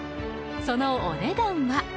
そのお値段は。